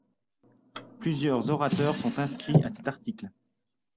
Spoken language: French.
Plusieurs orateurs sont inscrits à cet article.